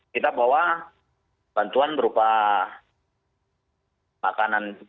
kita bawa bantuan berupa makanan